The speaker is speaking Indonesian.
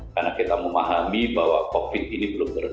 karena kita memahami bahwa covid ini belum berhenti